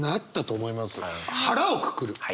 腹をくくる。